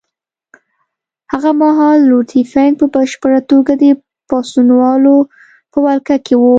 هغه مهال روټي فنک په بشپړه توګه د پاڅونوالو په ولکه کې وو.